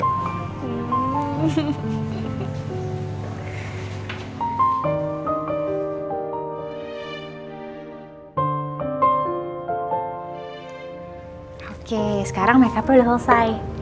oke sekarang makeupnya udah selesai